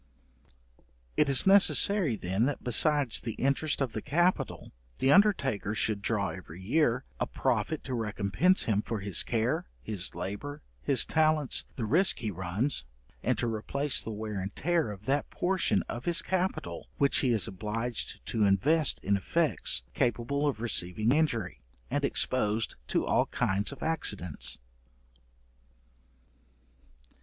It is necessary then, that, besides the interest of the capital, the undertaker should draw every year a profit to recompence him for his care, his labour, his talents, the risque he runs, and to replace the wear and tear of that portion of his capital which he is obliged to invest in effects capable of receiving injury, and exposed to all kinds of accidents.